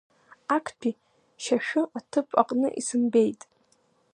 Актәи шьашәы аҭыԥ аҟны исымбеит.